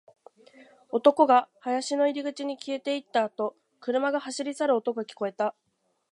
男が林の入り口に消えていったあと、車が走り去る音が聞こえた